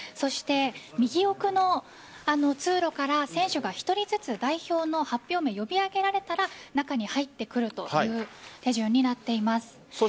右奥の通路から選手が１人ずつ代表の発表名を呼び上げられたら中に入ってくるという手順になっています。